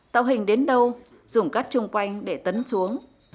tạo hình đến đâu dùng cát chung quanh để tấn xuống